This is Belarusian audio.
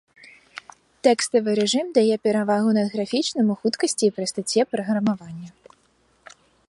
Тэкставы рэжым дае перавагу над графічным у хуткасці і прастаце праграмавання.